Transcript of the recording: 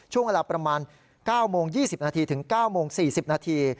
ช่วงเวลาประมาณ๙โมง๒๐นาทีถึง๙โมง๔๐นาที